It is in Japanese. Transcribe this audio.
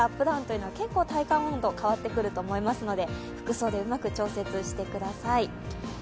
ダウンは結構、体感温度変わってくると思いますので服装でうまく調整してください。